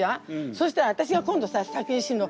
そしたら私が今度先に死ぬの。